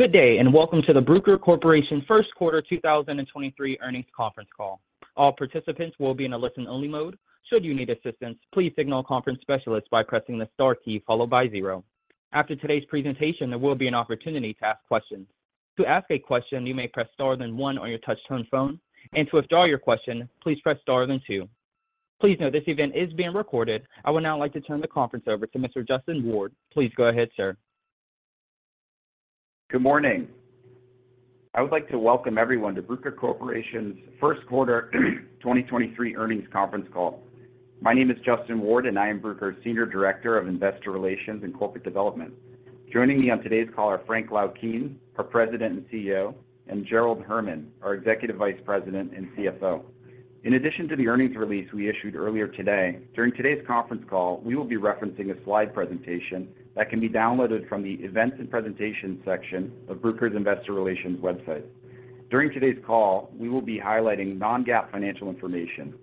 Good day, and welcome to the Bruker Corporation First Quarter 2023 Earnings Conference Call. All participants will be in a listen-only mode. Should you need assistance, please signal a conference specialist by pressing the star key followed by zero. After today's presentation, there will be an opportunity to ask questions. To ask a question, you may press star then one on your touchtone phone, and to withdraw your question, please press star then two. Please note this event is being recorded. I would now like to turn the conference over to Mr. Justin Ward. Please go ahead, sir. Good morning. I would like to welcome everyone to Bruker Corporation's First Quarter 2023 Earnings Conference Call. My name is Justin Ward, and I am Bruker's Senior Director of Investor Relations and Corporate Development. Joining me on today's call are Frank Laukien, our President and CEO, and Gerald Herman, our Executive Vice President and CFO. In addition to the earnings release we issued earlier today, during today's conference call, we will be referencing a slide presentation that can be downloaded from the Events and Presentation section of Bruker's Investor Relations website. During today's call, we will be highlighting non-GAAP financial information.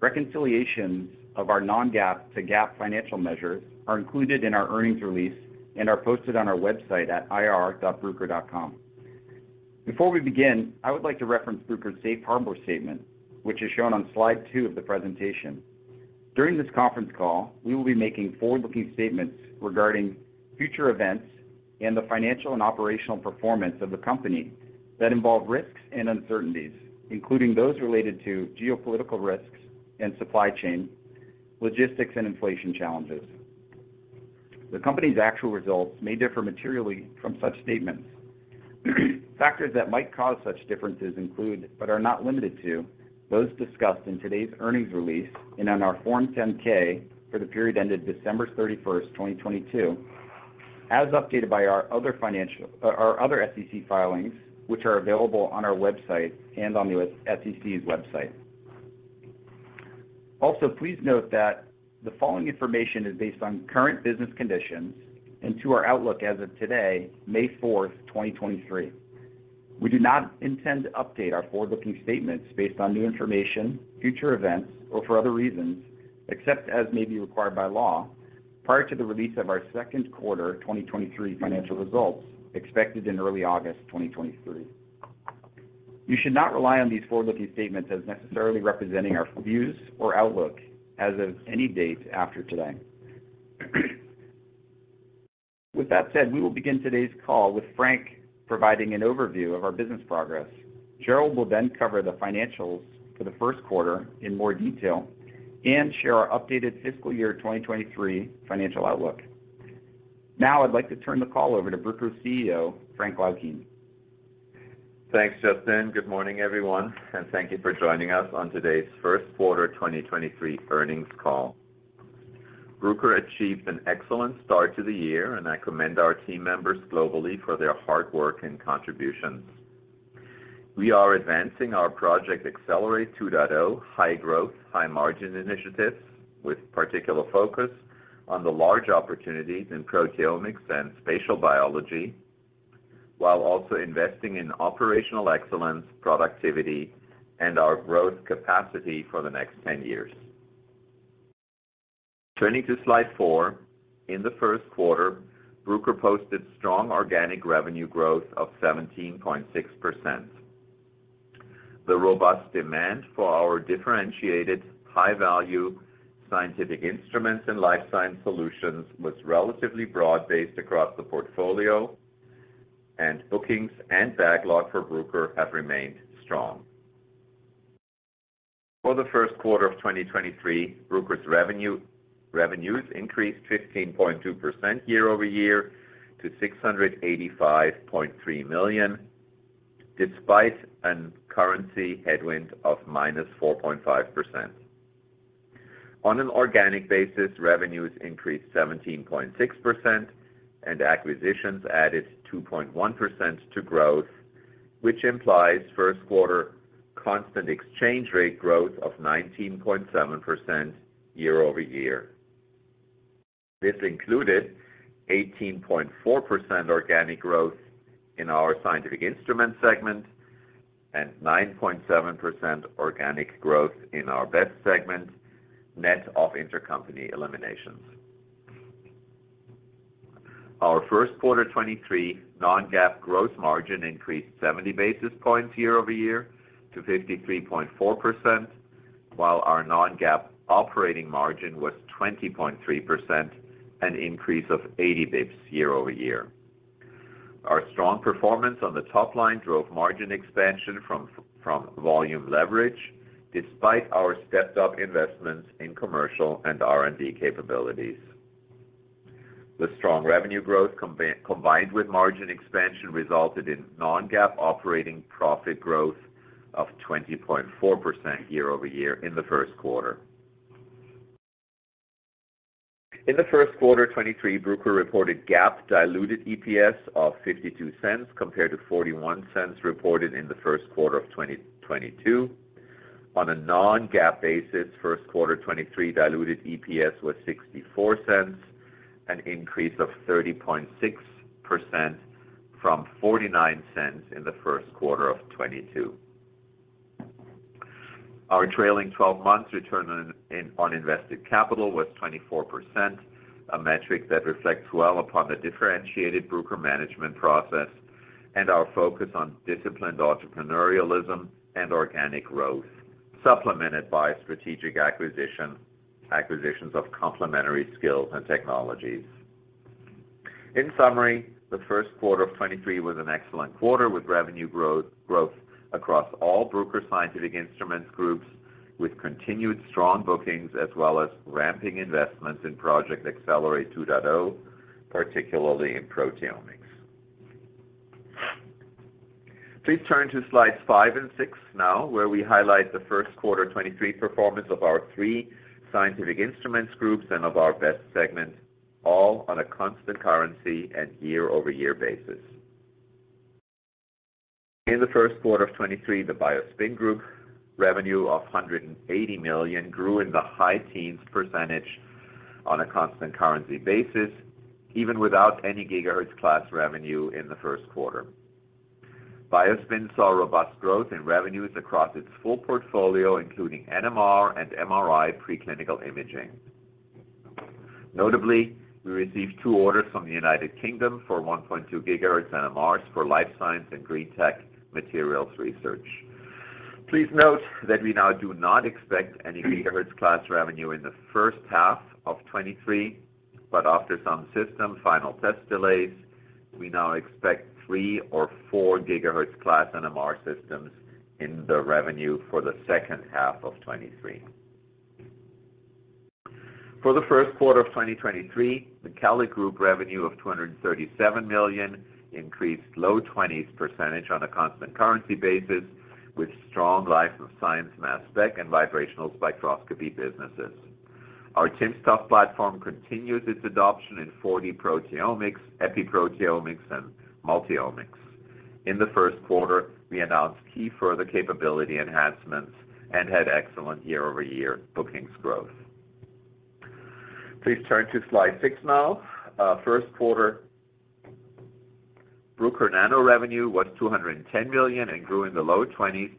Reconciliations of our non-GAAP to GAAP financial measures are included in our earnings release and are posted on our website at ir.bruker.com. Before we begin, I would like to reference Bruker's safe harbor statement, which is shown on slide 2 of the presentation. During this conference call, we will be making forward-looking statements regarding future events and the financial and operational performance of the company that involve risks and uncertainties, including those related to geopolitical risks and supply chain, logistics, and inflation challenges. The company's actual results may differ materially from such statements. Factors that might cause such differences include, but are not limited to, those discussed in today's earnings release and on our Form 10-K for the period ended December 31, 2022, as updated by our other SEC filings, which are available on our website and on the SEC's website. Also, please note that the following information is based on current business conditions and to our outlook as of today, May 4, 2023. We do not intend to update our forward-looking statements based on new information, future events, or for other reasons, except as may be required by law, prior to the release of our second quarter of 2023 financial results expected in early August 2023. You should not rely on these forward-looking statements as necessarily representing our views or outlook as of any date after today. With that said, we will begin today's call with Frank providing an overview of our business progress. Gerald will then cover the financials for the first quarter in more detail and share our updated fiscal year 2023 financial outlook. Now, I'd like to turn the call over to Bruker's CEO, Frank Laukien. Thanks, Justin. Good morning, everyone, and thank you for joining us on today's first quarter 2023 earnings call. Bruker achieved an excellent start to the year, and I commend our team members globally for their hard work and contributions. We are advancing our Project Accelerate 2.0 high growth, high margin initiatives with particular focus on the large opportunities in proteomics and spatial biology, while also investing in operational excellence, productivity, and our growth capacity for the next 10 years. Turning to slide 4, in the first quarter, Bruker posted strong organic revenue growth of 17.6%. The robust demand for our differentiated high-value scientific instruments and life science solutions was relatively broad-based across the portfolio, and bookings and backlog for Bruker have remained strong. For the first quarter of 2023, Bruker's revenues increased 15.2% year-over-year to $685.3 million, despite an currency headwind of -4.5%. On an organic basis, revenues increased 17.6% and acquisitions added 2.1% to growth, which implies first quarter constant exchange rate growth of 19.7% year-over-year. This included 18.4% organic growth in our scientific instruments segment and 9.7% organic growth in our BEST segment, net of intercompany eliminations. Our first quarter 2023 non-GAAP growth margin increased 70 basis points year-over-year to 53.4%, while our non-GAAP operating margin was 20.3%, an increase of 80 basis points year-over-year. Our strong performance on the top line drove margin expansion from volume leverage despite our stepped-up investments in commercial and R&D capabilities. The strong revenue growth combined with margin expansion resulted in non-GAAP operating profit growth of 20.4% year-over-year in the first quarter. In the first quarter 2023, Bruker reported GAAP diluted EPS of $0.52 compared to $0.41 reported in the first quarter of 2022. On a non-GAAP basis, first quarter 2023 diluted EPS was $0.64, an increase of 30.6% from $0.49 in the first quarter of 2022. Our trailing 12 months return on invested capital was 24%, a metric that reflects well upon the differentiated Bruker management process and our focus on disciplined entrepreneurialism and organic growth, supplemented by strategic acquisitions of complementary skills and technologies. In summary, the first quarter of 2023 was an excellent quarter with revenue growth across all Bruker scientific instruments groups with continued strong bookings as well as ramping investments in Project Accelerate 2.0, particularly in proteomics. Please turn to slides 5 and 6 now, where we highlight the first quarter 2023 performance of our three scientific instruments groups and of our BEST segments, all on a constant currency and year-over-year basis. In the first quarter of 2023, the BioSpin group revenue of $180 million grew in the high teens % on a constant currency basis, even without any gigahertz class revenue in the first quarter. BioSpin saw robust growth in revenues across its full portfolio, including NMR and MRI preclinical imaging. Notably, we received 2 orders from the United Kingdom for 1.2 gigahertz NMRs for life science and green tech materials research. Please note that we now do not expect any gigahertz class revenue in the first half of 2023, but after some system final test delays, we now expect 3 or 4 gigahertz class NMR systems in the revenue for the second half of 2023. For the first quarter of 2023, the CALID Group revenue of $237 million increased low 20s% on a constant currency basis with strong life of science mass spec and vibrational spectroscopy businesses. Our timsTOF platform continues its adoption in 4D proteomics, epi-proteomics, and multi-omics. In the first quarter, we announced key further capability enhancements and had excellent year-over-year bookings growth. Please turn to slide 6 now. First quarter Bruker NANO revenue was $210 million and grew in the low 20s%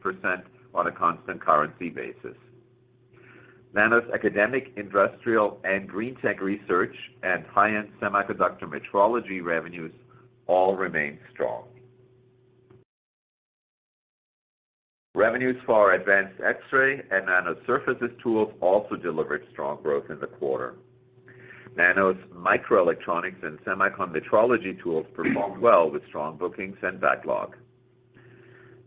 on a constant currency basis. Nano's academic, industrial, and green tech research and high-end semiconductor metrology revenues all remain strong. Revenues for our advanced X-ray and Nano surfaces tools also delivered strong growth in the quarter. Nano's microelectronics and semicon metrology tools performed well with strong bookings and backlog.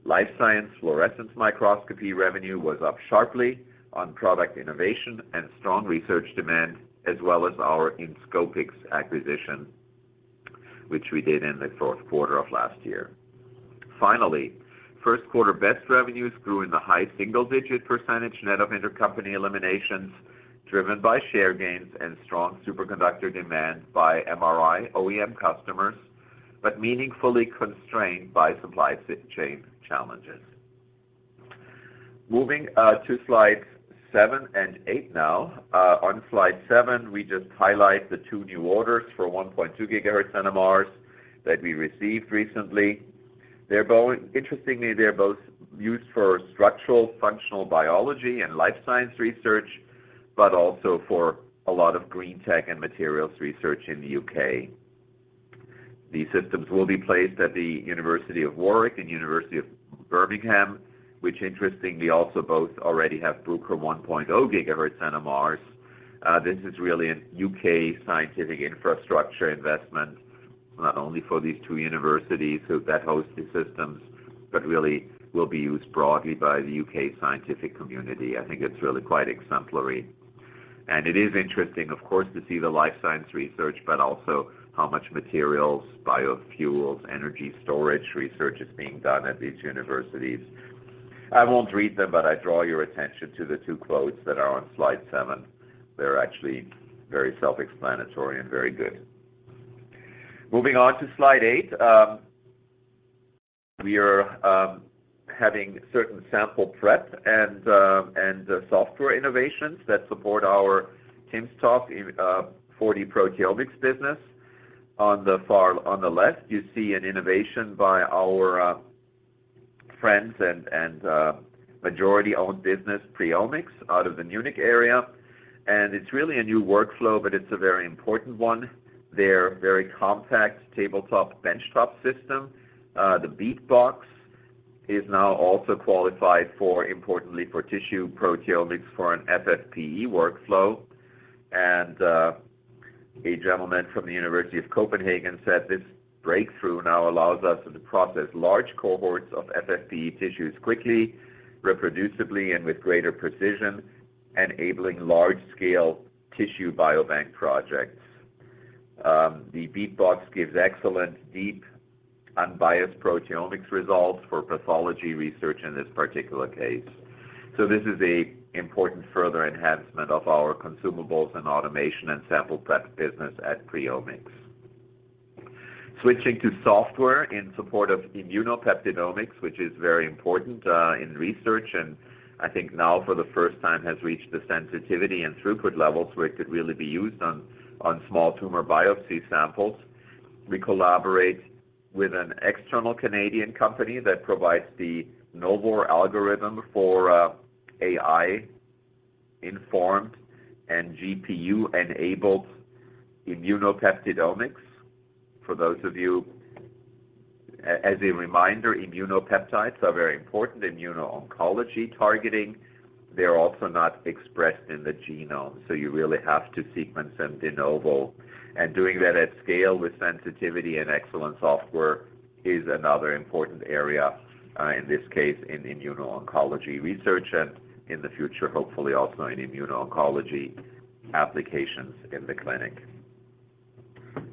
Life science fluorescence microscopy revenue was up sharply on product innovation and strong research demand, as well as our Inscopix acquisition, which we did in the fourth quarter of last year. First quarter BEST revenues grew in the high single-digit % net of intercompany eliminations, driven by share gains and strong superconductor demand by MRI OEM customers, but meaningfully constrained by supply chain challenges. Moving to slides 7 and 8 now. On slide 7, we just highlight the 2 new orders for 1.2 gigahertz NMRs that we received recently. Interestingly, they're both used for structural, functional biology and life science research, but also for a lot of green tech and materials research in the U.K. These systems will be placed at the University of Warwick and University of Birmingham, which interestingly also both already have Bruker 1.0 gigahertz NMRs. This is really a U.K. scientific infrastructure investment, not only for these two universities that host the systems, but really will be used broadly by the U.K. scientific community. I think it's really quite exemplary. It is interesting, of course, to see the life science research, but also how much materials, biofuels, energy storage research is being done at these universities. I won't read them, but I draw your attention to the two quotes that are on slide 7. They're actually very self-explanatory and very good. Moving on to slide 8. We are having certain sample prep and software innovations that support our timsTOF in 4D proteomics business. On the left, you see an innovation by our friends and majority-owned business, PreOmics, out of the Munich area. It's really a new workflow, but it's a very important one. Their very compact tabletop benchtop system, the BeatBox, is now also qualified for, importantly, for tissue proteomics for an FFPE workflow. A gentleman from the University of Copenhagen said, "This breakthrough now allows us to process large cohorts of FFPE tissues quickly, reproducibly, and with greater precision, enabling large-scale tissue biobank projects." The BeatBox gives excellent, deep, unbiased proteomics results for pathology research in this particular case. This is a important further enhancement of our consumables and automation and sample prep business at PreOmics. Switching to software in support of immunopeptidomics, which is very important in research, and I think now for the first time has reached the sensitivity and throughput levels where it could really be used on small tumor biopsy samples. We collaborate with an external Canadian company that provides the novel algorithm for AI-informed and GPU-enabled immunopeptidomics. For those of you, as a reminder, immunopeptides are very important in immuno-oncology targeting. They're also not expressed in the genome. You really have to sequence them de novo. Doing that at scale with sensitivity and excellent software is another important area, in this case, in immuno-oncology research and in the future, hopefully also in immuno-oncology applications in the clinic.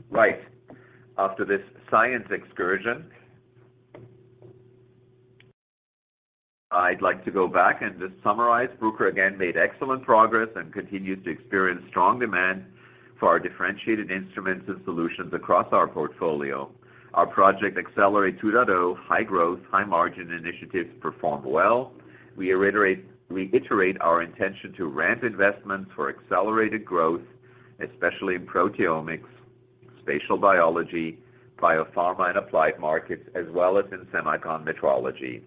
Right. After this science excursion, I'd like to go back and just summarize. Bruker again made excellent progress and continues to experience strong demand for our differentiated instruments and solutions across our portfolio. Our Project Accelerate 2.0 high growth, high margin initiatives performed well. We reiterate our intention to ramp investments for accelerated growth, especially in proteomics, spatial biology, biopharma, and applied markets, as well as in semicon metrology.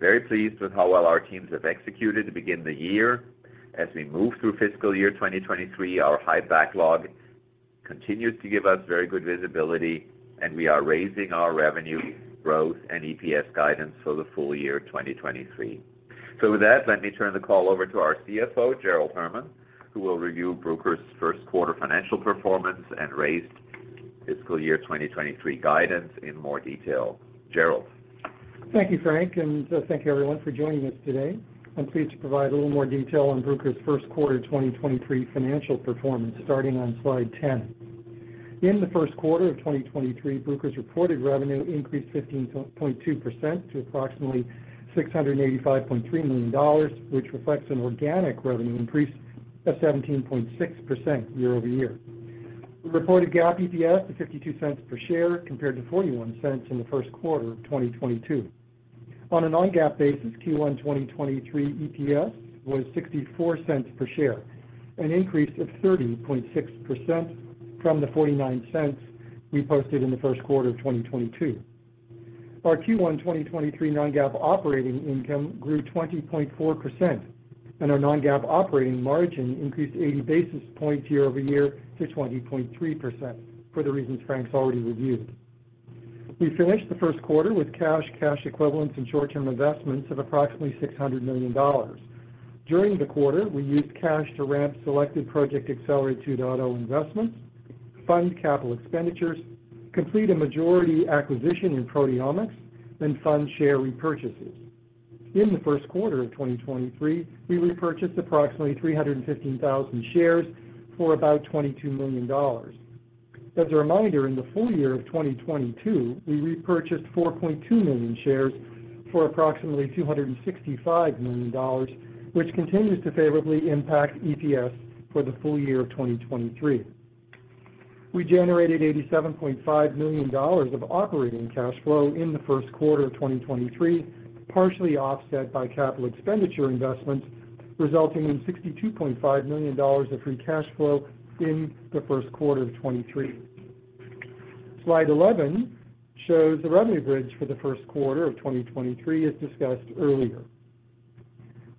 Very pleased with how well our teams have executed to begin the year. We move through fiscal year 2023, our high backlog continues to give us very good visibility, and we are raising our revenue growth and EPS guidance for the full year 2023. With that, let me turn the call over to our CFO, Gerald Herman, who will review Bruker's first quarter financial performance and raised fiscal year 2023 guidance in more detail. Gerald. Thank you, Frank, thank you everyone for joining us today. I'm pleased to provide a little more detail on Bruker's first quarter 2023 financial performance, starting on slide 10. In the first quarter of 2023, Bruker's reported revenue increased 15.2% to approximately $685.3 million, which reflects an organic revenue increase of 17.6% year-over-year. Reported GAAP EPS of $0.52 per share compared to $0.41 in the first quarter of 2022. On a non-GAAP basis, Q1 2023 EPS was $0.64 per share, an increase of 30.6% from the $0.49 we posted in the first quarter of 2022. Our Q1 2023 non-GAAP operating income grew 20.4%. Our non-GAAP operating margin increased 80 basis points year-over-year to 20.3% for the reasons Frank's already reviewed. We finished the first quarter with cash equivalents, and short-term investments of approximately $600 million. During the quarter, we used cash to ramp selected Project Accelerate 2.0 investments, fund CapEx, complete a majority acquisition in proteomics, and fund share repurchases. In the first quarter of 2023, we repurchased approximately 315,000 shares for about $22 million. As a reminder, in the full year of 2022, we repurchased 4.2 million shares for approximately $265 million, which continues to favorably impact EPS for the full year of 2023. We generated $87.5 million of operating cash flow in the first quarter of 2023, partially offset by CapEx investments, resulting in $62.5 million of free cash flow in the first quarter of 2023. Slide 11 shows the revenue bridge for the first quarter of 2023 as discussed earlier.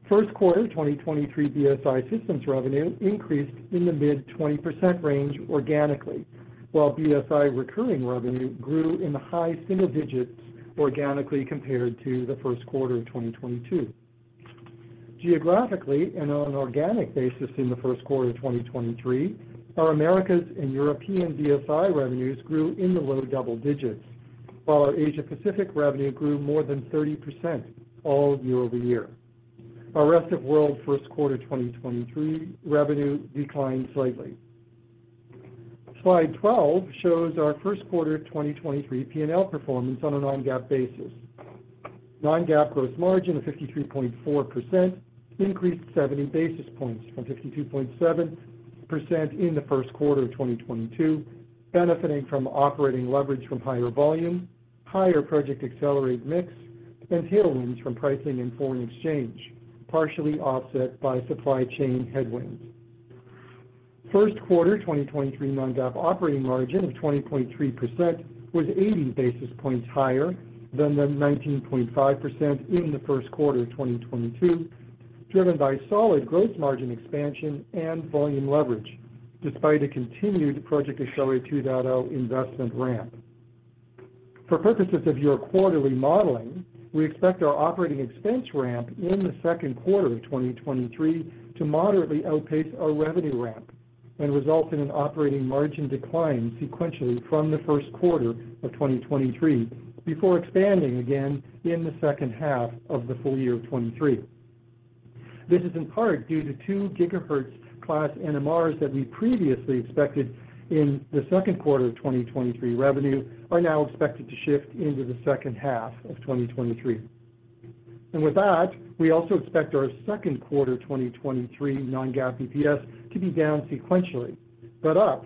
First quarter 2023 BSI systems revenue increased in the mid-20% range organically, while BSI recurring revenue grew in the high single digits organically compared to the first quarter of 2022. Geographically and on an organic basis in the first quarter of 2023, our Americas and European BSI revenues grew in the low double digits, while our Asia Pacific revenue grew more than 30% all year-over-year. Our rest of world first quarter 2023 revenue declined slightly. Slide 12 shows our first quarter 2023 P&L performance on a non-GAAP basis. Non-GAAP gross margin of 53.4% increased 70 basis points from 52.7% in the first quarter of 2022, benefiting from operating leverage from higher volume, higher Project Accelerate mix, and tailwinds from pricing and foreign exchange, partially offset by supply chain headwinds. First quarter 2023 non-GAAP operating margin of 20.3% was 80 basis points higher than the 19.5% in the first quarter of 2022, driven by solid gross margin expansion and volume leverage despite a continued Project Accelerate 2.0 investment ramp. For purposes of your quarterly modeling, we expect our operating expense ramp in the second quarter of 2023 to moderately outpace our revenue ramp and result in an operating margin decline sequentially from the first quarter of 2023 before expanding again in the second half of the full year of 2023. This is in part due to 2 gigahertz class NMRs that we previously expected in the second quarter of 2023 revenue are now expected to shift into the second half of 2023. With that, we also expect our second quarter 2023 non-GAAP EPS to be down sequentially, but up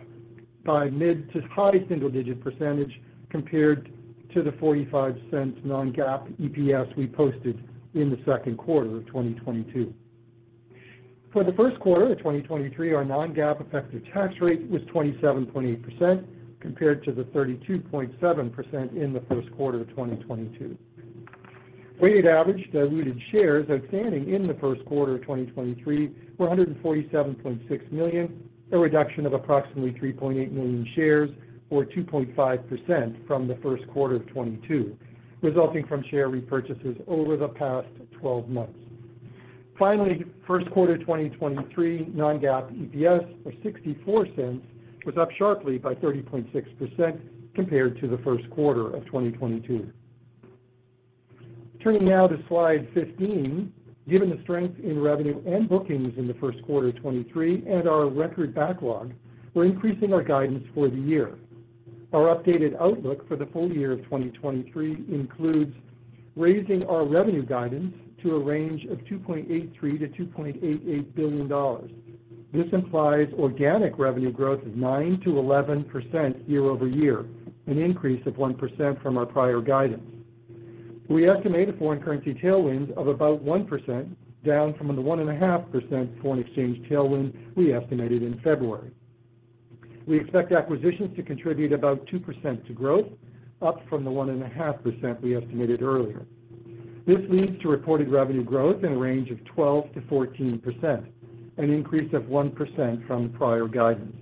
by mid to high single-digit % compared to the $0.45 non-GAAP EPS we posted in the second quarter of 2022. For the first quarter of 2023, our non-GAAP effective tax rate was 27.8% compared to the 32.7% in the first quarter of 2022. Weighted average diluted shares outstanding in the first quarter of 2023 were $147.6 million, a reduction of approximately 3.8 million shares or 2.5% from the first quarter of 2022, resulting from share repurchases over the past 12 months. Finally, first quarter 2023 non-GAAP EPS of $0.64 was up sharply by 30.6% compared to the first quarter of 2022. Turning now to slide 15. Given the strength in revenue and bookings in the first quarter of 2023 and our record backlog, we're increasing our guidance for the year. Our updated outlook for the full year of 2023 includes raising our revenue guidance to a range of $2.83 billion-$2.88 billion. This implies organic revenue growth of 9%-11% year-over-year, an increase of 1% from our prior guidance. We estimate a foreign currency tailwind of about 1%, down from the 1.5% foreign exchange tailwind we estimated in February. We expect acquisitions to contribute about 2% to growth, up from the 1.5% we estimated earlier. This leads to reported revenue growth in a range of 12%-14%, an increase of 1% from prior guidance.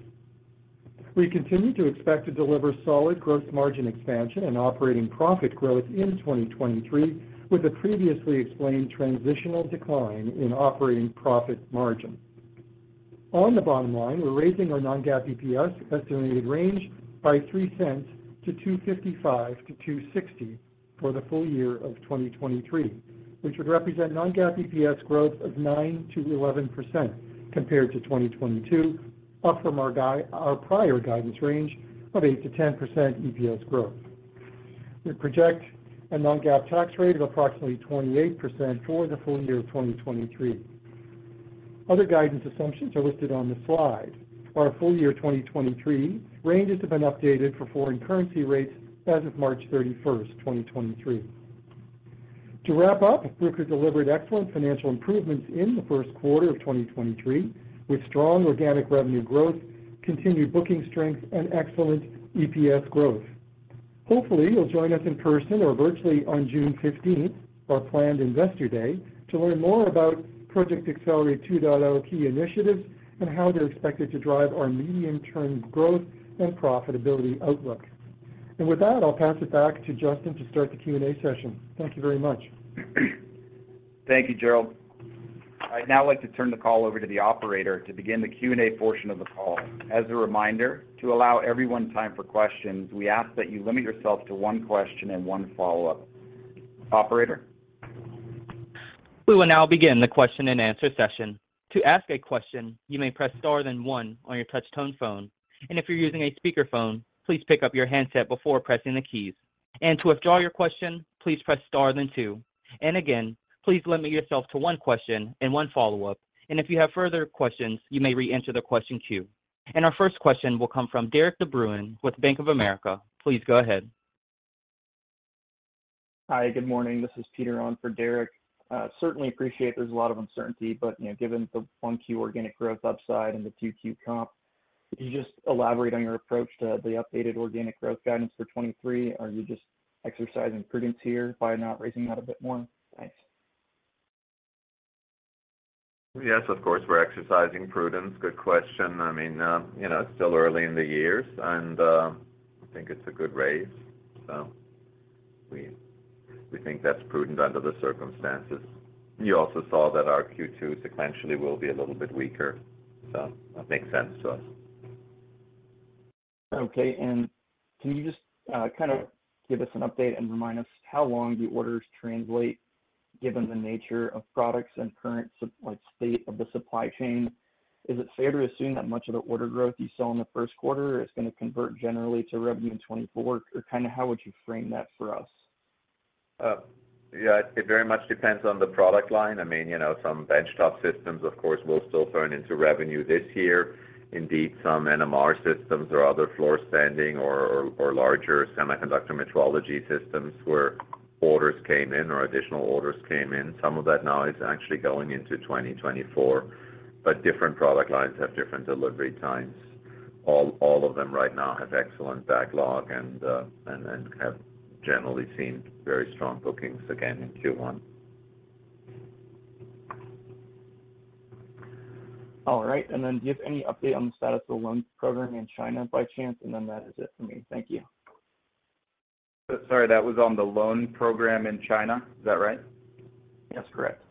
We continue to expect to deliver solid growth margin expansion and operating profit growth in 2023, with the previously explained transitional decline in operating profit margin. On the bottom line, we're raising our non-GAAP EPS estimated range by $0.03 to $2.55-$2.60 for the full year of 2023, which would represent non-GAAP EPS growth of 9%-11% compared to 2022, up from our prior guidance range of 8%-10% EPS growth. We project a non-GAAP tax rate of approximately 28% for the full year of 2023. Other guidance assumptions are listed on the slide. Our full year 2023 ranges have been updated for foreign currency rates as of March 31, 2023. To wrap up, Bruker delivered excellent financial improvements in the first quarter of 2023, with strong organic revenue growth, continued booking strength, and excellent EPS growth. Hopefully, you'll join us in person or virtually on June 15th, our planned Investor Day, to learn more about Project Accelerate 2.0 key initiatives and how they're expected to drive our medium-term growth and profitability outlook. With that, I'll pass it back to Justin to start the Q&A session. Thank you very much. Thank you, Gerald. I'd now like to turn the call over to the operator to begin the Q&A portion of the call. As a reminder, to allow everyone time for questions, we ask that you limit yourself to one question and one follow up. Operator? We will now begin the question-and-answer session. To ask a question, you may press star then one on your touch tone phone. If you're using a speakerphone, please pick up your handset before pressing the keys. To withdraw your question, please press star then two. Again, please limit yourself to one question and one follow up. If you have further questions, you may re-enter the question queue. Our first question will come from Derik De Bruin with Bank of America. Please go ahead. Hi, good morning. This is Peter on for Derik. Certainly appreciate there's a lot of uncertainty, but, you know, given the 1Q organic growth upside and the 2Q comp, could you just elaborate on your approach to the updated organic growth guidance for 2023? Are you just exercising prudence here by not raising that a bit more? Thanks. Yes, of course, we're exercising prudence. Good question. I mean, you know, it's still early in the years and, I think it's a good raise. We think that's prudent under the circumstances. You also saw that our Q2 sequentially will be a little bit weaker, so that makes sense to us. Okay. Can you just kind of give us an update and remind us how long the orders translate given the nature of products and current like state of the supply chain? Is it fair to assume that much of the order growth you saw in the first quarter is gonna convert generally to revenue in 2024? Kinda how would you frame that for us? Yeah, it very much depends on the product line. I mean, you know, some benchtop systems, of course, will still turn into revenue this year. Indeed, some NMR systems or other floor standing or larger semiconductor metrology systems where orders came in or additional orders came in. Some of that now is actually going into 2024. Different product lines have different delivery times. All of them right now have excellent backlog and then have generally seen very strong bookings again in Q1. All right. Do you have any update on the status of the loans program in China by chance? That is it for me. Thank you. Sorry, that was on the loan program in China. Is that right? That's correct.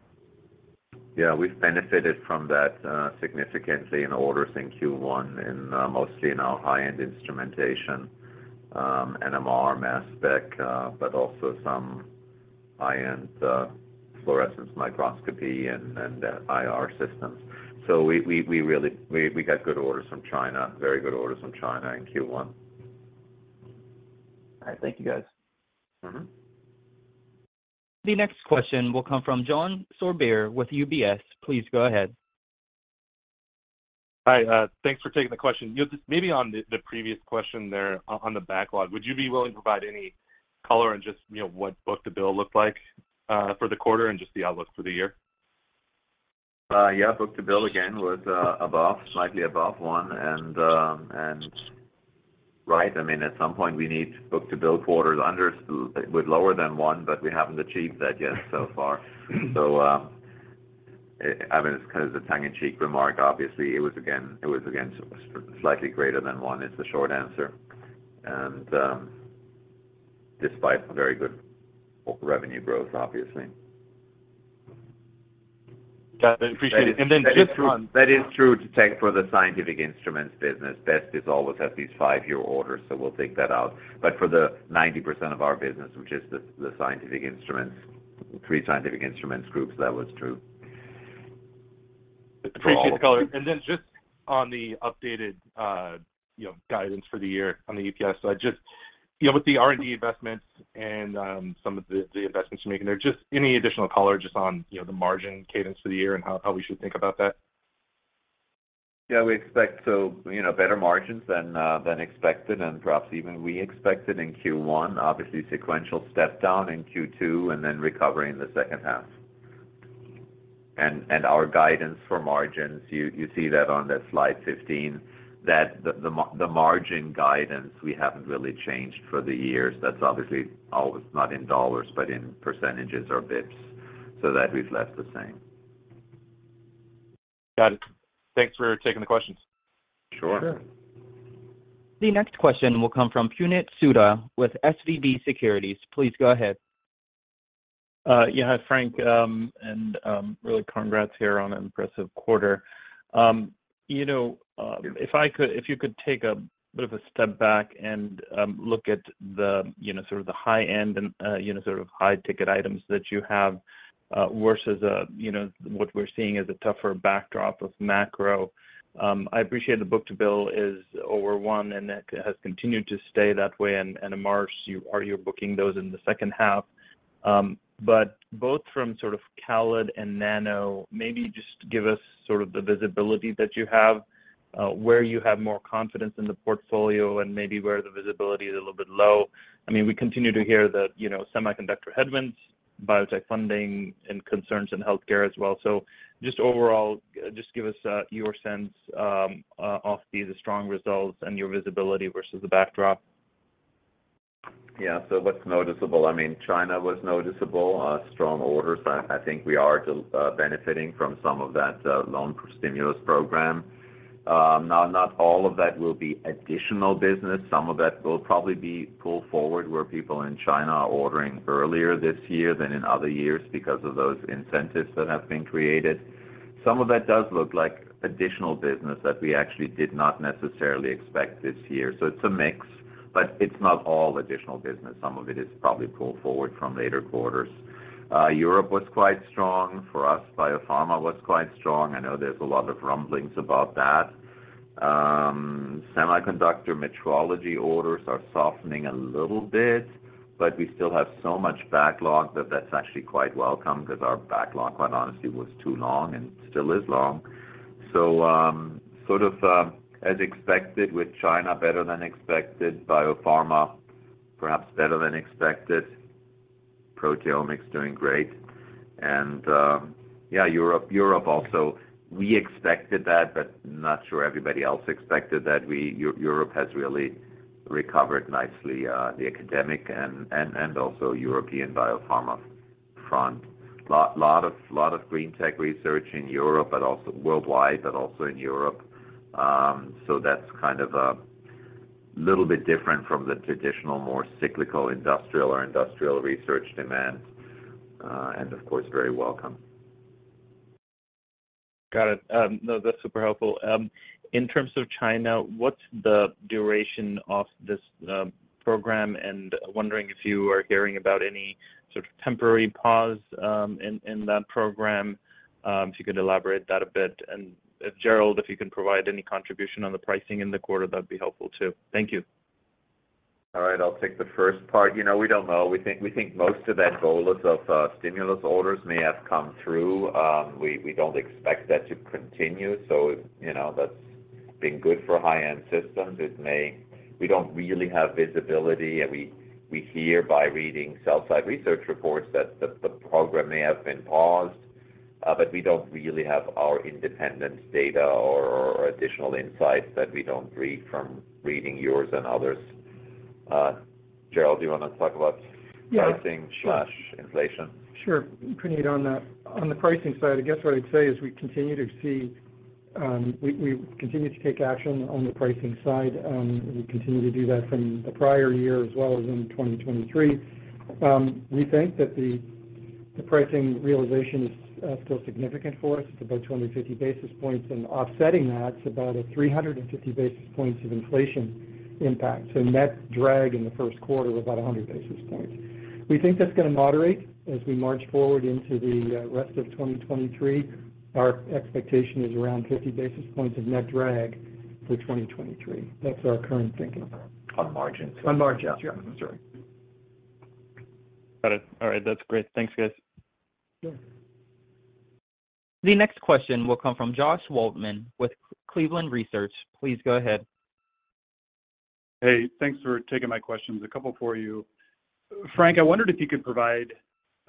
Yeah, we've benefited from that, significantly in orders in Q1 in, mostly in our high-end instrumentation, NMR mass spec, but also some high-end, fluorescence microscopy and IR systems. We really got good orders from China, very good orders from China in Q1. All right. Thank you, guys. Mm-hmm. The next question will come from John Sourbeer with UBS. Please go ahead. Hi, thanks for taking the question. You know, just maybe on the previous question there on the backlog. Would you be willing to provide any color and just, you know, what book-to-bill looked like for the quarter and just the outlook for the year? Yeah. Book-to-bill again was above, slightly above 1. Right. I mean, at some point, we need book-to-bill quarters with lower than 1, but we haven't achieved that yet so far. I mean, it's kind of the tongue in cheek remark. Obviously, it was again slightly greater than 1 is the short answer. Despite some very good revenue growth, obviously. Got it. Appreciate it. That is true to take for the scientific instruments business. BEST is always at least five-year orders, so we'll take that out. For the 90% of our business, which is the scientific instruments, three scientific instruments groups, that was true. Appreciate the color. Just on the updated, you know, guidance for the year on the EPS. You know, with the R&D investments and some of the investments you're making there, just any additional color just on, you know, the margin cadence for the year and how we should think about that? Yeah, we expect so, you know, better margins than expected and perhaps even we expected in Q1. Obviously, sequential step down in Q2, then recovery in the second half. Our guidance for margins, you see that on that slide 15, that the margin guidance we haven't really changed for the years. That's obviously always not in dollars, but in percentages or bips. That we've left the same. Got it. Thanks for taking the questions. Sure. Sure. The next question will come from Puneet Souda with SVB Securities. Please go ahead. Yeah. Frank, really congrats here on an impressive quarter. You know, if you could take a bit of a step back and look at the, you know, sort of the high end and, you know, sort of high ticket items that you have, versus, you know, what we're seeing as a tougher backdrop of macro. I appreciate the book-to-bill is over 1, and that has continued to stay that way. In March, are you booking those in the second half? Both from sort of CALID and Nano, maybe just give us sort of the visibility that you have, where you have more confidence in the portfolio and maybe where the visibility is a little bit low. I mean, we continue to hear the, you know, semiconductor headwinds, biotech funding, and concerns in healthcare as well. Just overall, just give us your sense of these strong results and your visibility versus the backdrop. What's noticeable? I mean, China was noticeable, strong orders. I think we are benefiting from some of that, loan stimulus program. Not all of that will be additional business. Some of that will probably be pulled forward, where people in China are ordering earlier this year than in other years because of those incentives that have been created. Some of that does look like additional business that we actually did not necessarily expect this year. It's a mix, but it's not all additional business. Some of it is probably pulled forward from later quarters. Europe was quite strong. For us, biopharma was quite strong. I know there's a lot of rumblings about that. Semiconductor metrology orders are softening a little bit, but we still have so much backlog that that's actually quite welcome 'cause our backlog, quite honestly, was too long and still is long. Sort of, as expected with China better than expected, biopharma perhaps better than expected, proteomics doing great. Yeah, Europe also, we expected that, but not sure everybody else expected that. Europe has really recovered nicely, the academic and also European biopharma front. Lot of green tech research in Europe, but also worldwide, but also in Europe. That's kind of a little bit different from the traditional, more cyclical industrial or industrial research demand, and of course, very welcome. Got it. No, that's super helpful. In terms of China, what's the duration of this program? Wondering if you are hearing about any sort of temporary pause in that program, if you could elaborate that a bit. If Gerald, if you can provide any contribution on the pricing in the quarter, that'd be helpful too. Thank you. All right. I'll take the first part. You know, we don't know. We think most of that goal of stimulus orders may have come through. We don't expect that to continue. You know, that's been good for high-end systems. We don't really have visibility, and we hear by reading sell-side research reports that the program may have been paused, but we don't really have our independent data or additional insights that we don't read from reading yours and others. Gerald, do you wanna talk about- Yeah. -pricing/inflation? Sure. Puneet, on the pricing side, I guess what I'd say is we continue to see, we continue to take action on the pricing side. We continue to do that from the prior year as well as in 2023. We think that the pricing realization is still significant for us. It's about 250 basis points, and offsetting that, it's about 350 basis points of inflation impact. Net drag in the first quarter was about 100 basis points. We think that's gonna moderate as we march forward into the rest of 2023. Our expectation is around 50 basis points of net drag for 2023. That's our current thinking. On margins. On margins. Yeah. Yeah. I'm sorry. Got it. All right. That's great. Thanks, guys. Sure. The next question will come from Joshua Waldman with Cleveland Research. Please go ahead. Hey, thanks for taking my questions. A couple for you. Frank, I wondered if you could provide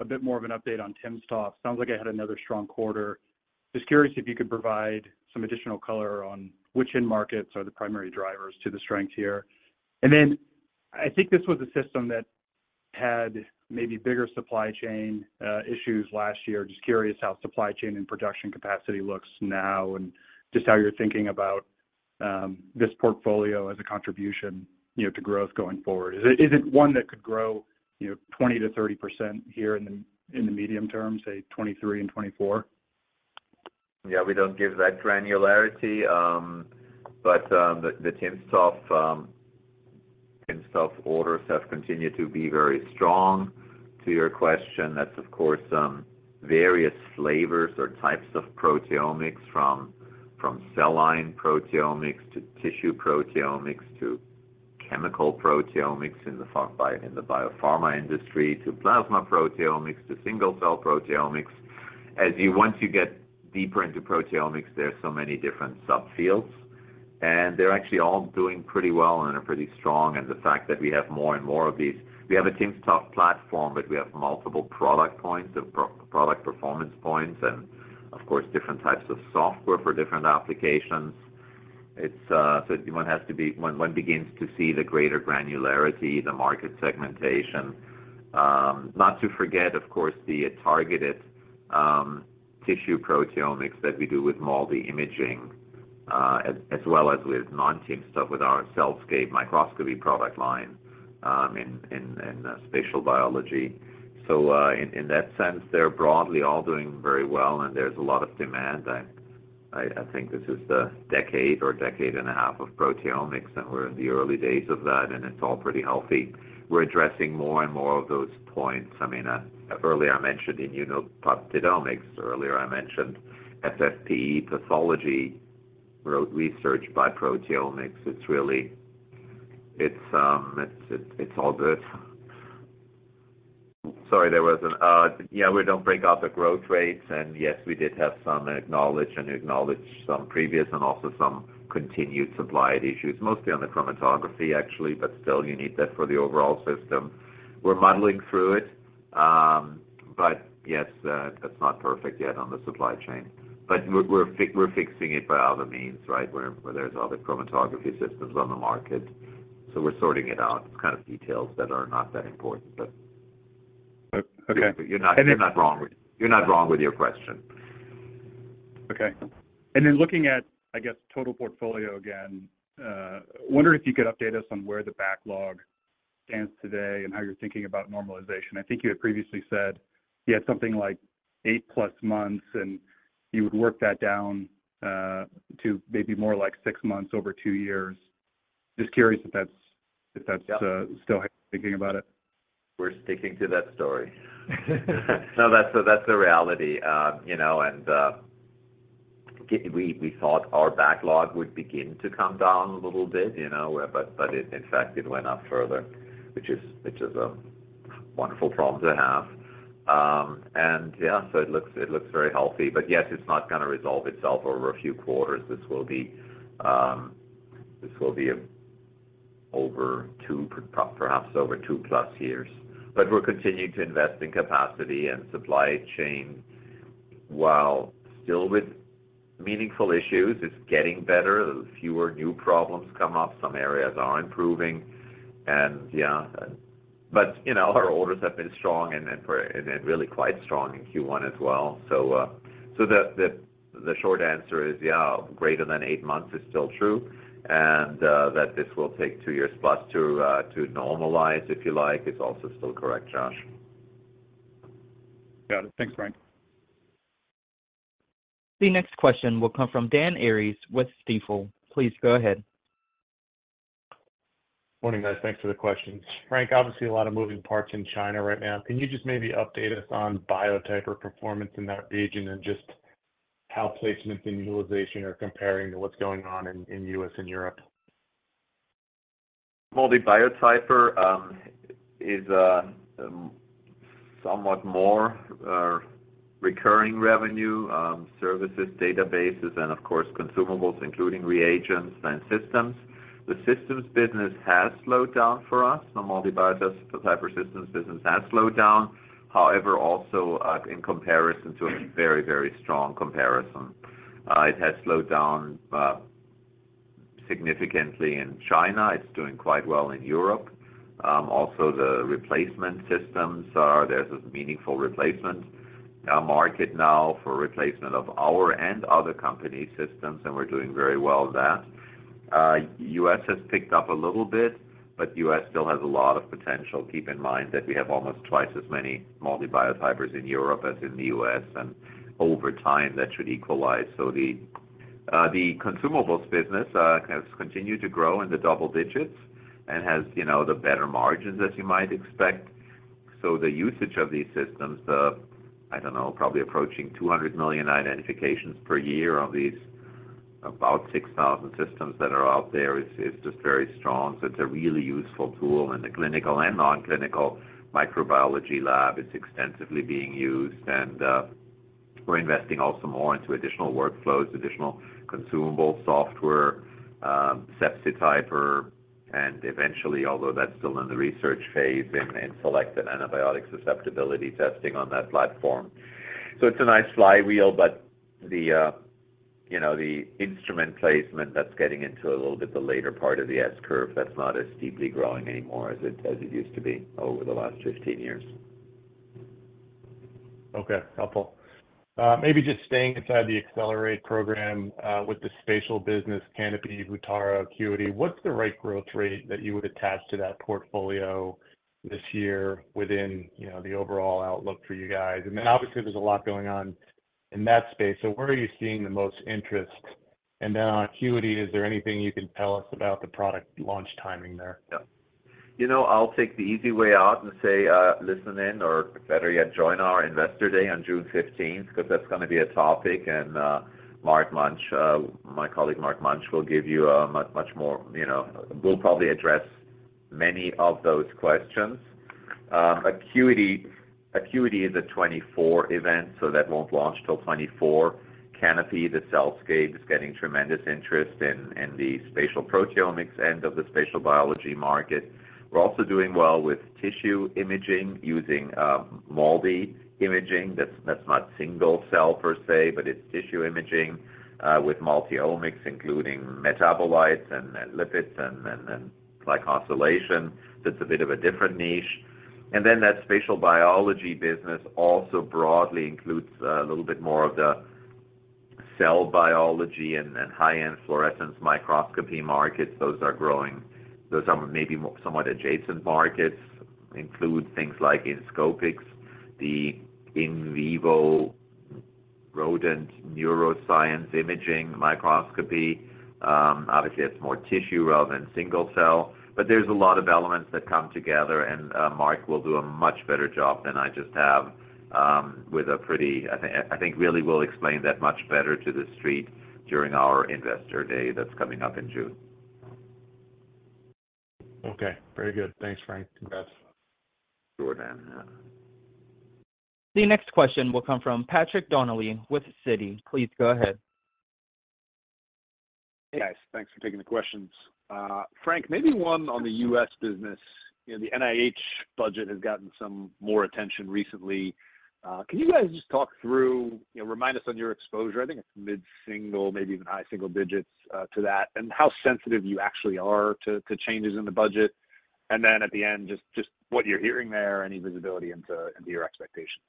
a bit more of an update on timsTOF. Sounds like it had another strong quarter. Just curious if you could provide some additional color on which end markets are the primary drivers to the strength here. I think this was a system that had maybe bigger supply chain issues last year. Just curious how supply chain and production capacity looks now and just how you're thinking about this portfolio as a contribution, you know, to growth going forward. Is it one that could grow, you know, 20%-30% here in the medium term, say 2023 and 2024? Yeah, we don't give that granularity. But the timsTOF orders have continued to be very strong. To your question, that's of course, various flavors or types of proteomics from cell line proteomics to tissue proteomics to chemical proteomics in the biopharma industry, to plasma proteomics, to single cell proteomics. Once you get deeper into proteomics, there's so many different subfields, and they're actually all doing pretty well and are pretty strong. The fact that we have more and more of these. We have a timsTOF platform, but we have multiple product performance points and of course, different types of software for different applications. So one begins to see the greater granularity, the market segmentation. Not to forget, of course, the targeted tissue proteomics that we do with MALDI imaging, as well as with non-timsTOF, with our CellScape microscopy product line in spatial biology. In that sense, they're broadly all doing very well and there's a lot of demand. I think this is the decade or decade and a half of proteomics, and we're in the early days of that, and it's all pretty healthy. We're addressing more and more of those points. I mean, earlier I mentioned, you know, peptidomics, earlier I mentioned FFPE pathology research by proteomics. It's all good. Sorry, yeah, we don't break out the growth rates. Yes, we did have some acknowledge some previous and also some continued supply issues, mostly on the chromatography, actually, but still you need that for the overall system. We're muddling through it. Yes, it's not perfect yet on the supply chain. We're fixing it by other means, right, where there's other chromatography systems on the market. We're sorting it out. It's kind of details that are not that important, but- Oh, okay. You're not wrong. You're not wrong with your question. Okay. Looking at, I guess, total portfolio again, wondering if you could update us on where the backlog stands today and how you're thinking about normalization. I think you had previously said you had something like 8+ months, and you would work that down to maybe more like 6 months over 2 years. Just curious if that's still how you're thinking about it. We're sticking to that story. That's the reality. You know, we thought our backlog would begin to come down a little bit, you know, but in fact, it went up further, which is a wonderful problem to have. Yeah, it looks very healthy. Yes, it's not gonna resolve itself over a few quarters. This will be perhaps over 2+ years. We're continuing to invest in capacity and supply chain, while still with meaningful issues, it's getting better. Fewer new problems come up. Some areas are improving. Yeah. You know, our orders have been strong and then really quite strong in Q1 as well. The short answer is, yeah, greater than 8 months is still true, and, that this will take 2+ years to normalize, if you like, is also still correct, Josh. Got it. Thanks, Frank. The next question will come from Dan Arias with Stifel. Please go ahead. Morning, guys. Thanks for the questions. Frank, obviously a lot of moving parts in China right now. Can you just maybe update us on Biotyper performance in that region and just how placements and utilization are comparing to what's going on in U.S. and Europe? MALDI Biotyper is somewhat more recurring revenue, services, databases and of course consumables including reagents and systems. The systems business has slowed down for us. The MALDI Biotyper systems business has slowed down. However, also, in comparison to a very, very strong comparison. It has slowed down significantly in China. It's doing quite well in Europe. Also, there's a meaningful replacement market now for replacement of our and other company systems, and we're doing very well there. US has picked up a little bit, but US still has a lot of potential. Keep in mind that we have almost twice as many MALDI Biotypers in Europe as in the US, and over time, that should equalize. The consumables business has continued to grow in the double digits and has, you know, the better margins as you might expect. The usage of these systems, I don't know, probably approaching 200 million identifications per year of these. About 6,000 systems that are out there is just very strong. It's a really useful tool in the clinical and non-clinical microbiology lab. It's extensively being used and we're investing also more into additional workflows, additional consumable software, Sepsityper, and eventually, although that's still in the research phase, in selected antibiotic susceptibility testing on that platform. It's a nice flywheel, but you know, the instrument placement that's getting into a little bit the later part of the S-curve, that's not as deeply growing anymore as it used to be over the last 15 years. Okay. Helpful. Maybe just staying inside the Accelerate Program, with the spatial biology, Canopy, Vutara, Acuity. What's the right growth rate that you would attach to that portfolio this year within, you know, the overall outlook for you guys? I mean, obviously there's a lot going on in that space, so where are you seeing the most interest? On Acuity, is there anything you can tell us about the product launch timing there? You know, I'll take the easy way out and say, listen in or better yet, join our investor day on June 15th, 'cause that's gonna be a topic. Mark Munch, my colleague Mark Munch, will give you a much more, you know, will probably address many of those questions. Acuity is a 2024 event, so that won't launch till 2024. Canopy, the CellScape is getting tremendous interest in the spatial proteomics end of the spatial biology market. We're also doing well with tissue imaging using MALDI imaging. That's not single cell per se, but it's tissue imaging with multi-omics, including metabolites and lipids and glycosylation. That's a bit of a different niche. That spatial biology business also broadly includes a little bit more of the cell biology and high-end fluorescence microscopy markets. Those are growing. Those are maybe more somewhat adjacent markets, include things like Inscopix, the in vivo rodent neuroscience imaging microscopy. Obviously, it's more tissue relevant than single cell, but there's a lot of elements that come together, and Mark will do a much better job than I just have. I think really we'll explain that much better to the street during our investor day that's coming up in June. Okay. Very good. Thanks, Frank. Yes. Sure then. Yeah. The next question will come from Patrick Donnelly with Citi. Please go ahead. Hey, guys. Thanks for taking the questions. Frank, maybe one on the U.S. business. You know, the NIH budget has gotten some more attention recently. Can you guys just talk through, you know, remind us on your exposure, I think it's mid-single, maybe even high single digits, to that, and how sensitive you actually are to changes in the budget? At the end, just what you're hearing there, any visibility into your expectations.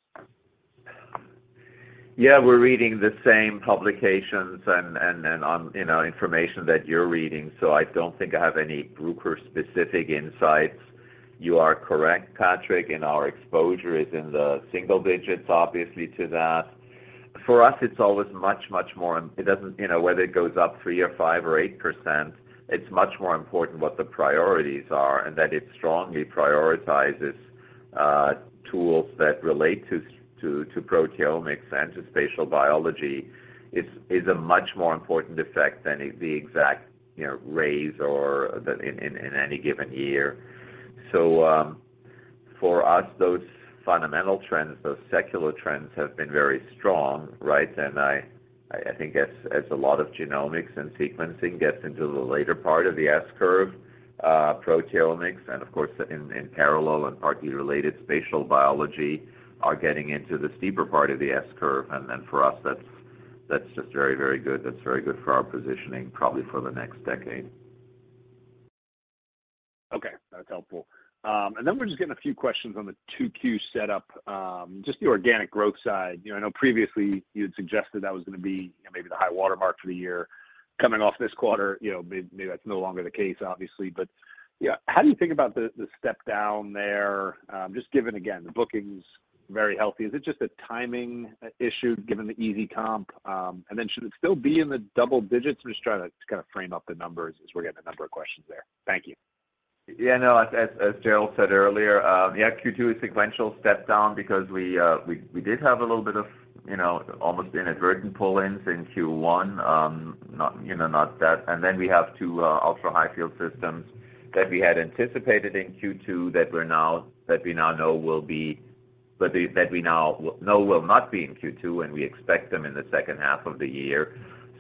Yeah, we're reading the same publications and on, you know, information that you're reading, so I don't think I have any Bruker-specific insights. You are correct, Patrick, our exposure is in the single digits, obviously, to that. For us, it's always much more... You know, whether it goes up 3% or 5% or 8%, it's much more important what the priorities are and that it strongly prioritizes tools that relate to proteomics and to spatial biology. It's a much more important effect than the exact, you know, raise or in any given year. For us, those fundamental trends, those secular trends have been very strong, right? I think as a lot of genomics and sequencing gets into the later part of the S-curve, proteomics and of course, in parallel and partly related spatial biology are getting into the steeper part of the S-curve. For us, that's just very good. That's very good for our positioning, probably for the next decade. Okay. That's helpful. Then we're just getting a few questions on the 2Q setup, just the organic growth side. You know, I know previously you had suggested that was gonna be, you know, maybe the high watermark for the year. Coming off this quarter, you know, maybe that's no longer the case, obviously. You know, how do you think about the step down there? Just given, again, the bookings very healthy. Is it just a timing issue given the easy comp? Then should it still be in the double digits? I'm just trying to kind of frame up the numbers as we're getting a number of questions there. Thank you. Yeah, no, as Gerald said earlier, yeah, Q2 is sequential step down because we did have a little bit of, you know, almost inadvertent pull-ins in Q1. Not, you know, not that. Then we have 2 ultra high field systems that we had anticipated in Q2 that we now know will be, but that we now know will not be in Q2, and we expect them in the second half of the year.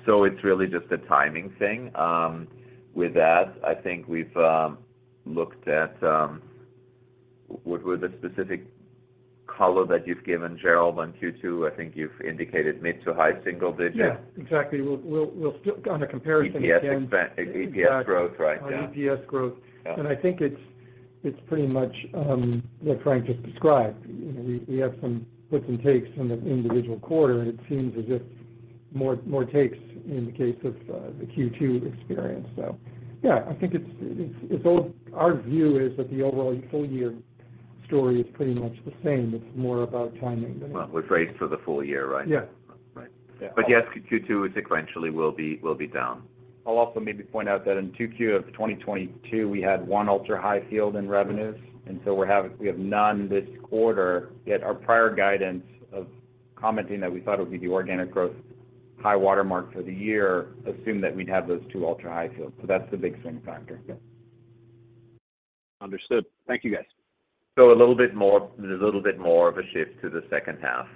It's really just a timing thing. With that, I think we've looked at what were the specific color that you've given Gerald on Q2? I think you've indicated mid to high single digits. Yeah. Exactly. We'll still... EPS growth, right. Yeah. On EPS growth. Yeah. I think it's pretty much what Frank just described. You know, we have some puts and takes from the individual quarter, and it seems as if more takes in the case of the Q2 experience. Yeah, I think our view is that the overall full year story is pretty much the same. It's more about timing than- Well, we've raised for the full year, right? Yeah. Right. Yeah. Yes, Q2 sequentially will be down. I'll also maybe point out that in 2Q of 2022, we had 1 ultra-high field in revenues, we have none this quarter, yet our prior guidance of commenting that we thought it would be the organic growth high watermark for the year assumed that we'd have those 2 ultra-high fields. That's the big swing factor. Yeah. Understood. Thank you, guys. A little bit more, there's a little bit more of a shift to the second half,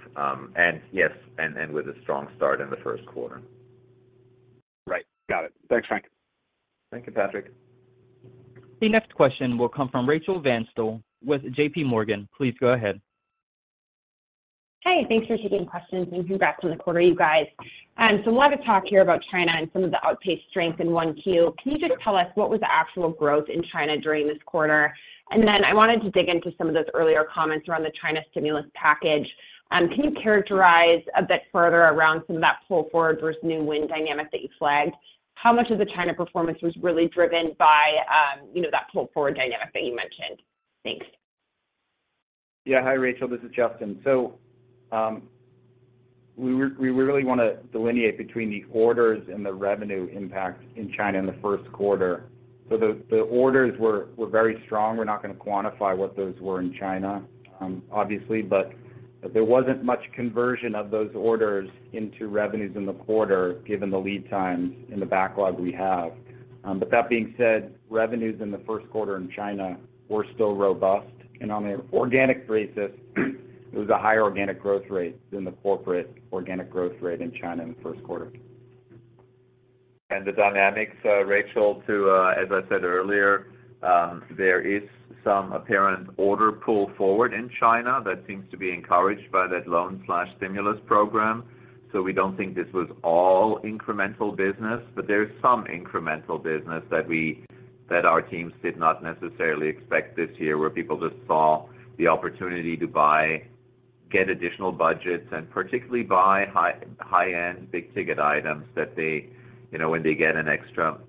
and yes, and with a strong start in the first quarter. Right. Got it. Thanks, Frank. Thank you, Patrick. The next question will come from Rachel Vatnsdal with JPMorgan. Please go ahead. Hey, thanks for taking questions. Congrats on the quarter, you guys. A lot of talk here about China and some of the outpaced strength in 1Q. Can you just tell us what was the actual growth in China during this quarter? I wanted to dig into some of those earlier comments around the China stimulus package. Can you characterize a bit further around some of that pull forward versus new win dynamic that you flagged? How much of the China performance was really driven by, you know, that pull forward dynamic that you mentioned? Thanks. Yeah. Hi, Rachel. This is Justin. We really wanna delineate between the orders and the revenue impact in China in the first quarter. The orders were very strong. We're not gonna quantify what those were in China, obviously, but there wasn't much conversion of those orders into revenues in the quarter given the lead times and the backlog we have. That being said, revenues in the first quarter in China were still robust. On an organic basis, it was a higher organic growth rate than the corporate organic growth rate in China in the first quarter. The dynamics, Rachel, to, as I said earlier, there is some apparent order pull forward in China that seems to be encouraged by that loan/stimulus program. We don't think this was all incremental business, but there is some incremental business that our teams did not necessarily expect this year, where people just saw the opportunity to buy, get additional budgets, and particularly buy high, high-end, big ticket items that they, you know, when they get an extra $1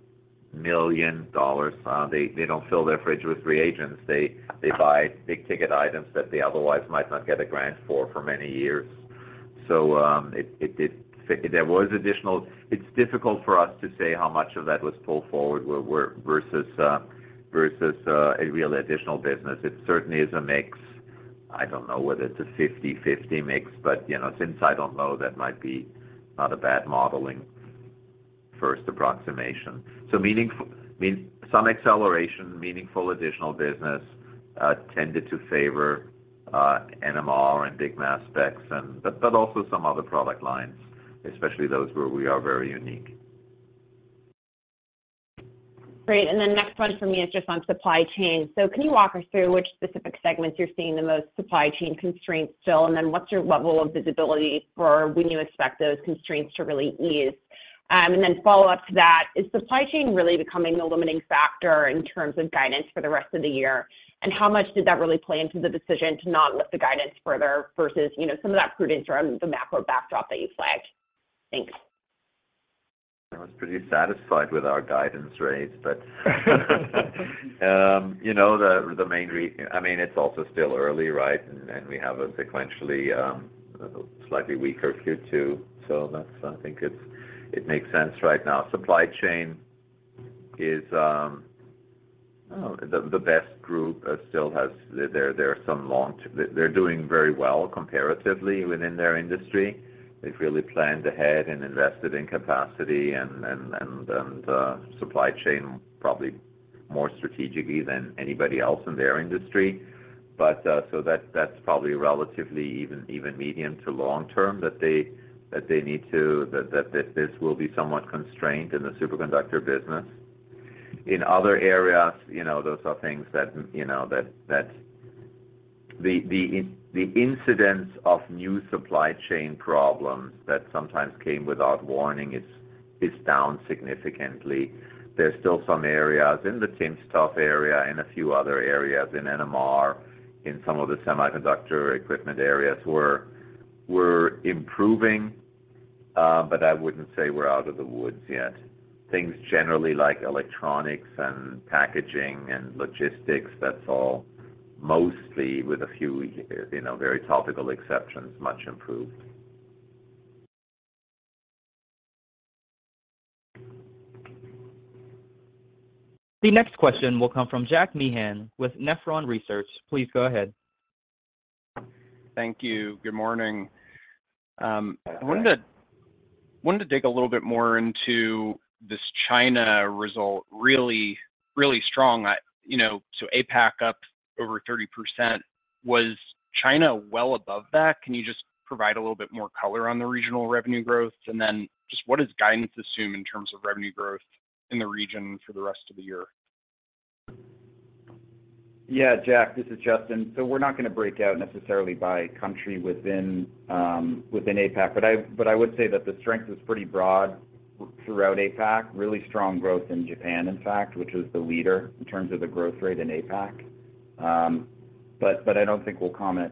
million, they don't fill their fridge with reagents. They buy big ticket items that they otherwise might not get a grant for for many years. It's difficult for us to say how much of that was pull forward versus a real additional business. It certainly is a mix. I don't know whether it's a 50/50 mix, but, you know, since I don't know, that might be not a bad modeling first approximation. Some acceleration, meaningful additional business, tended to favor NMR and big mass specs. But also some other product lines, especially those where we are very unique. Great. Next one for me is just on supply chain. Can you walk us through which specific segments you're seeing the most supply chain constraints still, what's your level of visibility for when you expect those constraints to really ease? Follow up to that, is supply chain really becoming a limiting factor in terms of guidance for the rest of the year? How much did that really play into the decision to not lift the guidance further versus, you know, some of that prudence around the macro backdrop that you flagged? Thanks. I was pretty satisfied with our guidance, Ray, but you know, I mean, it's also still early, right? We have a sequentially, slightly weaker Q2, so that's, I think it's, it makes sense right now. Supply chain is, I don't know. The BEST group still has. There are some long-term. They're doing very well comparatively within their industry. They've really planned ahead and invested in capacity and supply chain probably more strategically than anybody else in their industry. So that's probably relatively even medium to long term that they need to, that this will be somewhat constrained in the superconductor business. In other areas, you know, those are things that, you know, that the incidence of new supply chain problems that sometimes came without warning is down significantly. There's still some areas in the timsTOF area and a few other areas in NMR, in some of the semiconductor equipment areas. We're improving, but I wouldn't say we're out of the woods yet. Things generally like electronics and packaging and logistics, that's all mostly with a few, you know, very topical exceptions, much improved. The next question will come from Jack Meehan with Nephron Research. Please go ahead. Thank you. Good morning. I wanted to dig a little bit more into this China result. Really, really strong. I, you know, APAC up over 30%. Was China well above that? Can you just provide a little bit more color on the regional revenue growth? What does guidance assume in terms of revenue growth in the region for the rest of the year? Yeah, Jack, this is Justin. We're not gonna break out necessarily by country within APAC. I would say that the strength is pretty broad throughout APAC. Really strong growth in Japan, in fact, which was the leader in terms of the growth rate in APAC. I don't think we'll comment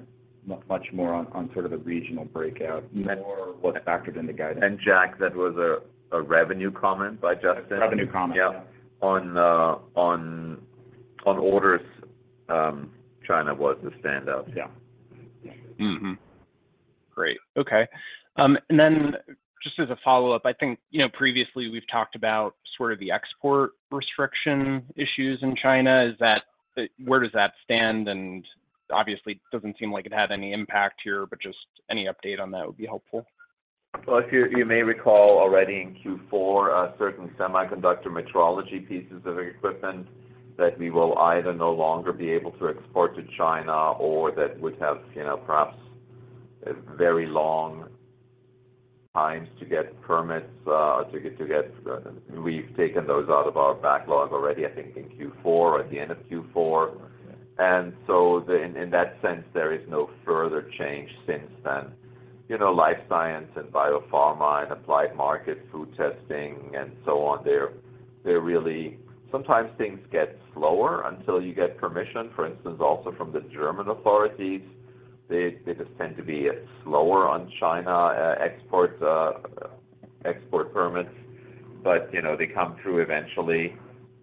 much more on sort of the regional breakout, more what's factored in the guidance. Jack, that was a revenue comment by Justin? Revenue comment. On orders, China was the standout. Yeah. Mm-hmm. Great. Okay. Then just as a follow-up, I think, you know, previously we've talked about sort of the export restriction issues in China. Where does that stand? Obviously it doesn't seem like it had any impact here, but just any update on that would be helpful. Well, as you may recall already in Q4, certain semiconductor metrology pieces of equipment that we will either no longer be able to export to China or that would have, you know, perhaps very long times to get permits to get. We've taken those out of our backlog already, I think in Q4 or at the end of Q4. In that sense, there is no further change since then. You know, life science and biopharma and applied market, food testing and so on, they're really. Sometimes things get slower until you get permission. For instance, also from the German authorities, they just tend to be slower on China exports, export permits. You know, they come through eventually.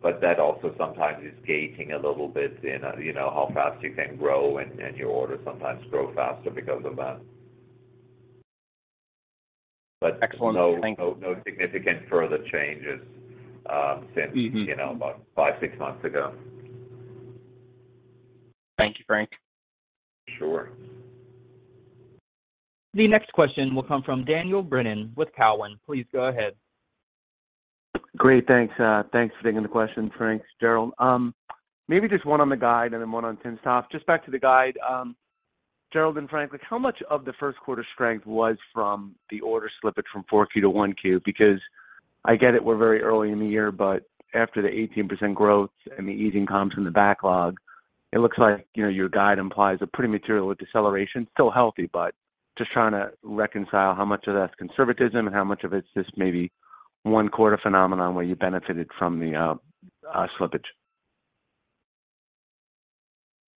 That also sometimes is gating a little bit in, you know, how fast you can grow and your orders sometimes grow faster because of that. Excellent. Thank you. no, no significant further changes. Mm-hmm since, you know, about 5, 6 months ago. Thank you, Frank. Sure. The next question will come from Daniel Brennan with Cowen. Please go ahead. Great. Thanks, thanks for taking the question, Frank. It's Gerald. Maybe just one on the guide and then one on timsTOF. Just back to the guide, Gerald and Frank, like how much of the first quarter strength was from the order slippage from Q4 to Q1? I get it, we're very early in the year, but after the 18% growth and the easing comps in the backlog, it looks like, you know, your guide implies a pretty material deceleration. Still healthy, but just trying to reconcile how much of that's conservatism and how much of it's just maybe 1 quarter phenomenon where you benefited from the slippage.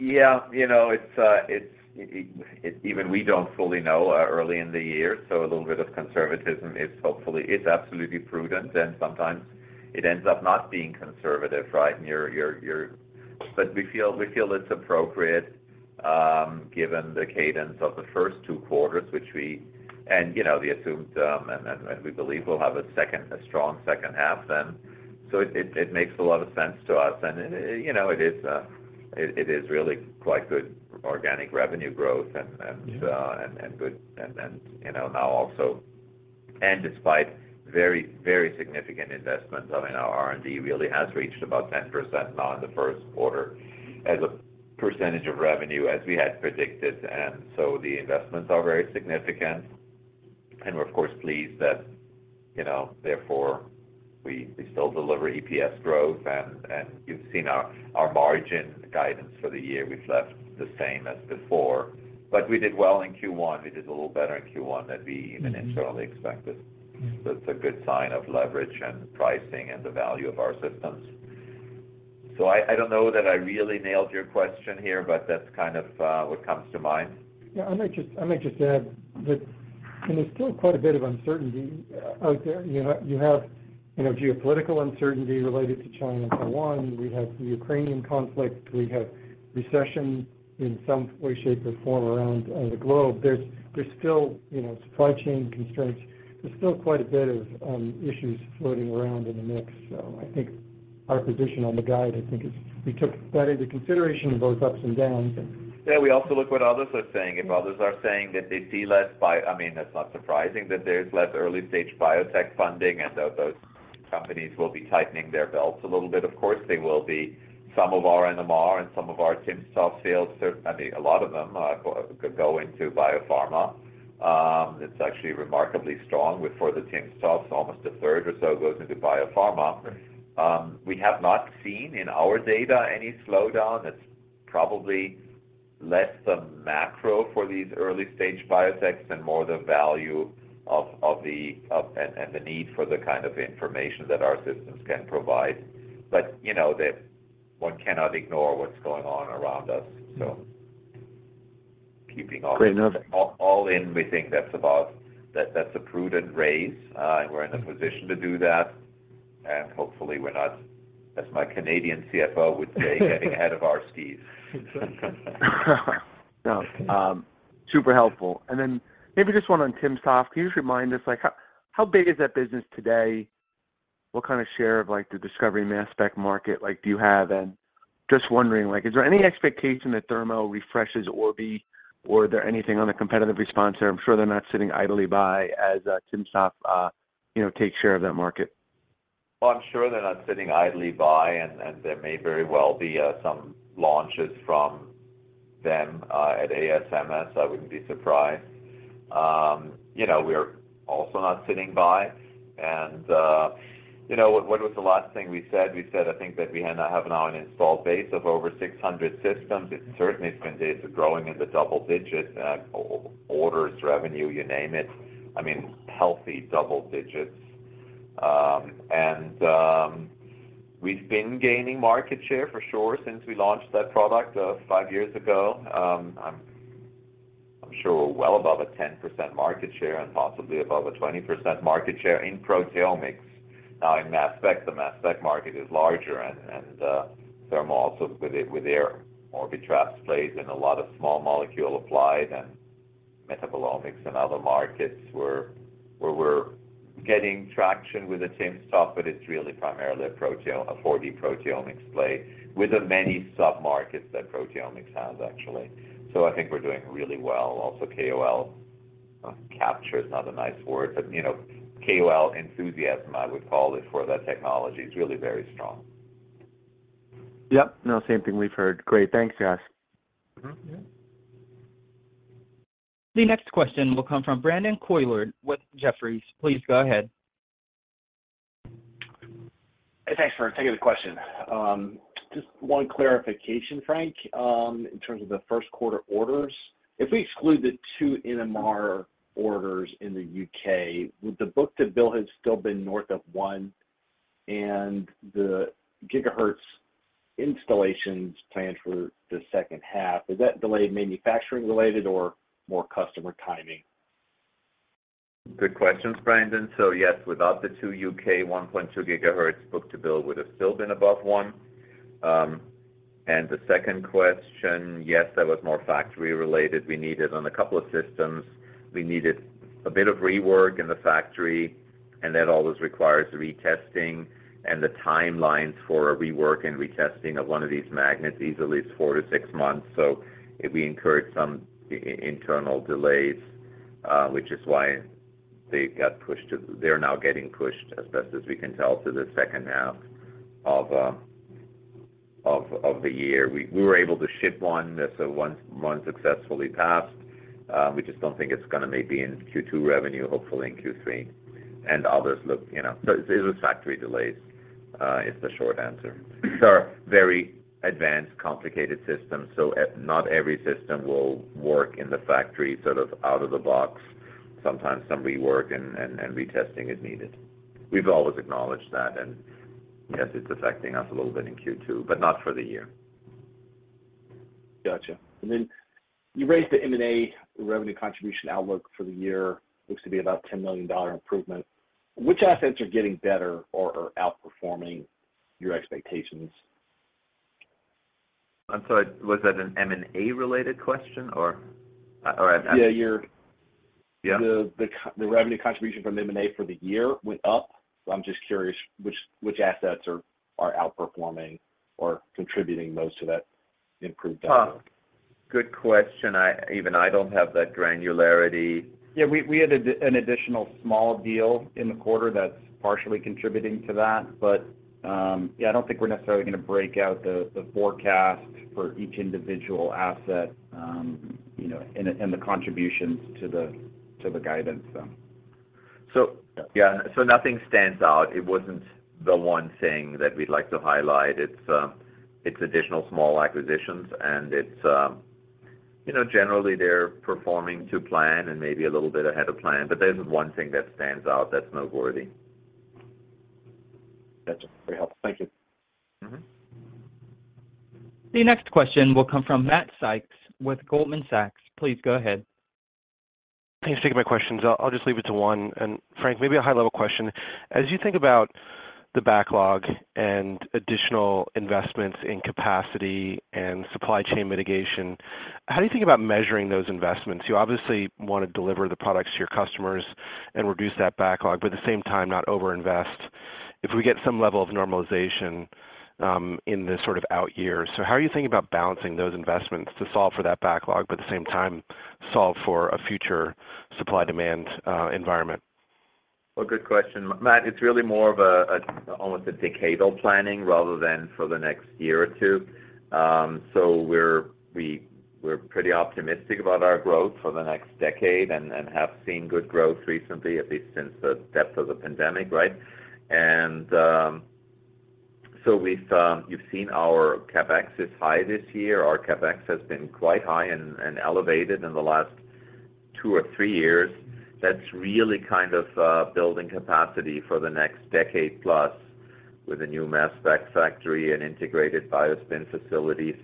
Yeah. You know, it's, even we don't fully know, early in the year, so a little bit of conservatism is hopefully, is absolutely prudent. Sometimes it ends up not being conservative, right? But we feel, we feel it's appropriate, given the cadence of the first two quarters, which we. You know, the assumed, and we believe we'll have a second, a strong second half then. It makes a lot of sense to us. You know, it is really quite good organic revenue growth and. Mm-hmm ...and good, you know, now also. Despite very, very significant investments. I mean, our R&D really has reached about 10% now in the first quarter as a percentage of revenue as we had predicted. The investments are very significant. We're of course pleased that, you know, therefore we still deliver EPS growth. You've seen our margin guidance for the year, we've left the same as before, but we did well in Q1. We did a little better in Q1 than we even internally expected. It's a good sign of leverage and pricing and the value of our systems. I don't know that I really nailed your question here, but that's kind of what comes to mind. Yeah. I might just add that there's still quite a bit of uncertainty out there. You have, you know, geopolitical uncertainty related to China, Taiwan. We have the Ukrainian conflict. We have recession in some way, shape, or form around the globe. There's still, you know, supply chain constraints. There's still quite a bit of issues floating around in the mix. I think our position on the guide, I think is we took that into consideration, both ups and downs and- Yeah. We also look what others are saying. If others are saying that they see less. I mean, that's not surprising that there's less early-stage biotech funding, those companies will be tightening their belts a little bit. Of course, they will be. Some of our NMR and some of our timsTOF sales. I mean, a lot of them go into biopharma. It's actually remarkably strong with, for the timsTOFs, almost a third or so goes into biopharma. Right. We have not seen in our data any slowdown. It's probably less the macro for these early-stage biotechs and more the value and the need for the kind of information that our systems can provide. You know, one cannot ignore what's going on around us. Mm-hmm. So keeping- Great. No. all in, we think that's about that's a prudent raise, and we're in a position to do that. Hopefully we're not, as my Canadian CFO would say, getting ahead of our skis. Exactly. No, super helpful. Maybe just one on timsTOF. Can you just remind us, like how big is that business today? What kind of share of like the discovery mass spec market do you have? Just wondering like, is there any expectation that Thermo refreshes Orbitrap, or are there anything on a competitive response there? I'm sure they're not sitting idly by as timsTOF, you know, takes share of that market. Well, I'm sure they're not sitting idly by and there may very well be some launches from them at ASMS. I wouldn't be surprised. You know, we're also not sitting by and, you know, what was the last thing we said? We said, I think that we have now an installed base of over 600 systems. It certainly has been, is growing in the double digits. Orders, revenue, you name it. I mean, healthy double digits. We've been gaining market share for sure since we launched that product, five years ago. I'm sure we're well above a 10% market share and possibly above a 20% market share in proteomics. In mass spec, the mass spec market is larger and, Thermo with their Orbitrap plays in a lot of small molecule applied and metabolomics and other markets where we're getting traction with the timsTOF, but it's really primarily a 4D proteomics play with the many sub-markets that proteomics has actually. I think we're doing really well. KOL capture is not a nice word, but you know, KOL enthusiasm, I would call it, for that technology is really very strong. Yep. Same thing we've heard. Great. Thanks guys. Mm-hmm. The next question will come from Brandon Couillard with Jefferies. Please go ahead. Thanks for taking the question. Just one clarification, Frank, in terms of the first quarter orders. If we exclude the two NMR orders in the U.K., would the book-to-bill have still been north of 1? The gigahertz installations planned for the second half, is that delayed manufacturing related or more customer timing? Good questions, Brandon. Yes, without the 2 U.K. 1.2 gigahertz, book-to-bill would have still been above 1. The second question, yes, that was more factory related. We needed on a couple of systems, we needed a bit of rework in the factory, and that always requires retesting and the timelines for a rework and retesting of one of these magnets, easily is 4 to 6 months. We incurred some internal delays, which is why they're now getting pushed, as best as we can tell, to the second half of the year. We were able to ship 1 successfully passed. We just don't think it's gonna maybe in Q2 revenue, hopefully in Q3. Others look, you know. It was factory delays, is the short answer. These are very advanced, complicated systems, so not every system will work in the factory sort of out of the box. Sometimes some rework and retesting is needed. We've always acknowledged that. Yes, it's affecting us a little bit in Q2, but not for the year. Gotcha. Then you raised the M&A revenue contribution outlook for the year, looks to be about $10 million improvement. Which assets are getting better or are outperforming your expectations? I'm sorry, was that an M&A related question, or? Yeah. Yeah. The revenue contribution from M&A for the year went up. I'm just curious which assets are outperforming or contributing most to that improved outcome? Good question. I, even I don't have that granularity. Yeah. We had an additional small deal in the quarter that's partially contributing to that. Yeah, I don't think we're necessarily going to break out the forecast for each individual asset, you know, and the contributions to the guidance. Yeah. Nothing stands out. It wasn't the one thing that we'd like to highlight. It's additional small acquisitions and it's, you know, generally they're performing to plan and maybe a little bit ahead of plan. There isn't one thing that stands out that's noteworthy. Got you. Very helpful. Thank you. Mm-hmm. The next question will come from Matthew Sykes with Goldman Sachs. Please go ahead. Thanks for taking my questions. I'll just leave it to one. Frank, maybe a high-level question. As you think about the backlog and additional investments in capacity and supply chain mitigation, how do you think about measuring those investments? You obviously want to deliver the products to your customers and reduce that backlog, but at the same time not over-invest if we get some level of normalization in the sort of out years. How are you thinking about balancing those investments to solve for that backlog, but at the same time solve for a future supply-demand environment? Good question, Matt. It's really more of almost a decadal planning rather than for the next year or 2. We're pretty optimistic about our growth for the next decade and have seen good growth recently, at least since the depth of the pandemic, right? We've seen our CapEx is high this year. Our CapEx has been quite high and elevated in the last 2 or 3 years. That's really kind of building capacity for the next decade plus with a new mass spec factory and integrated BioSpin facility.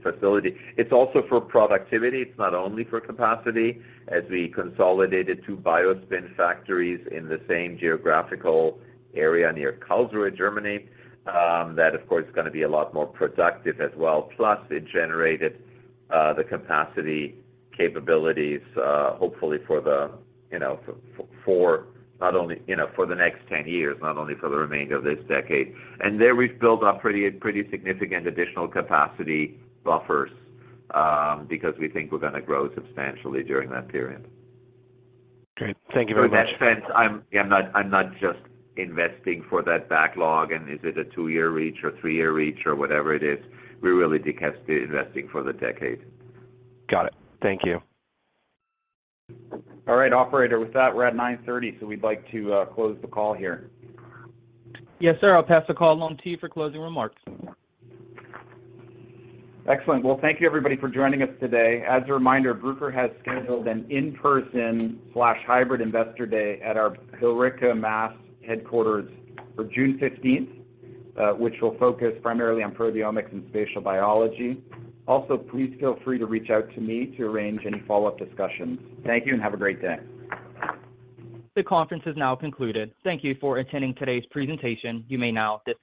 It's also for productivity. It's not only for capacity. As we consolidated 2 BioSpin factories in the same geographical area near Karlsruhe, Germany, that of course, is gonna be a lot more productive as well. Plus it generated, the capacity capabilities, hopefully for the, you know, for not only, you know, for the next 10 years, not only for the remainder of this decade. There we've built up pretty significant additional capacity buffers, because we think we're gonna grow substantially during that period. Great. Thank you very much. In that sense, I'm, yeah, I'm not, I'm not just investing for that backlog and is it a 2-year reach or 3-year reach or whatever it is. We really investing for the decade. Got it. Thank you. All right, operator. With that, we're at 9:30, so we'd like to close the call here. Yes, sir. I'll pass the call along to you for closing remarks. Excellent. Well, thank you everybody for joining us today. As a reminder, Bruker has scheduled an in-person/hybrid investor day at our Billerica, Massachusetts headquarters for June 15th, which will focus primarily on proteomics and spatial biology. Please feel free to reach out to me to arrange any follow up discussions. Thank you and have a great day. The conference is now concluded. Thank you for attending today's presentation. You may now disconnect.